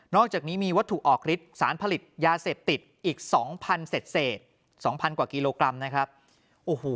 นอกจากนี้มีว่าถุออกฤทธิ์สารผลิตยาเสพติดอีก๒๐๐๐เสกเศษ